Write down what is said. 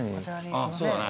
ああそうだね。